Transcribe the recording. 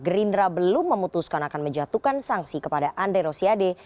gerindra belum memutuskan akan menjatuhkan sanksi kepada andre rosiade